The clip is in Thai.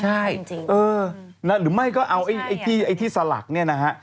ใช่เออหรือไม่ก็เอาไอ้ที่สลักเนี่ยนะฮะ